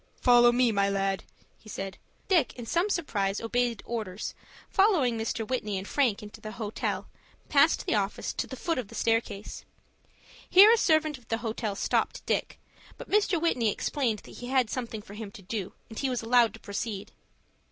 "Follow me, my lad," he said. Dick in some surprise obeyed orders, following Mr. Whitney and Frank into the hotel, past the office, to the foot of the staircase. Here a servant of the hotel stopped Dick, but Mr. Whitney explained that he had something for him to do, and he was allowed to proceed.